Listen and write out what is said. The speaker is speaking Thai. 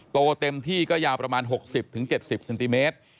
โตเต็มที่ก็ยาวประมาณ๖๐๗๐เซนติเมตร